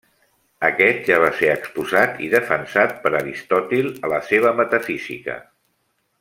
Aquest ja va ser exposat i defensat per Aristòtil a la seva Metafísica.